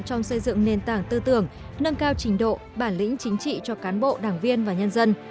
trong xây dựng nền tảng tư tưởng nâng cao trình độ bản lĩnh chính trị cho cán bộ đảng viên và nhân dân